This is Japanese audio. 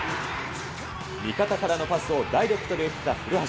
味方からのパスをダイレクトで打った古橋。